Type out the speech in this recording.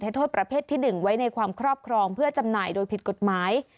โทษประเภทที่๑ไว้ในความครอบครองเพื่อจำหน่ายโดยผิดกฎหมาย